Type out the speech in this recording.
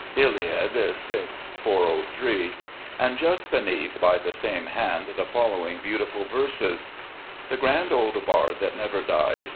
Iliad VI — ^403," and just beneath, by the same hand, the following beauti ful verses; "The grand old bard that never dies.